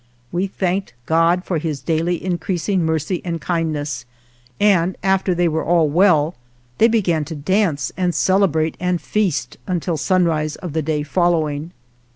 We thanked God for His daily in creasing mercy and kindness, and after they were all well they began to dance and cele brate and feast until sunrise of the day fol lowing.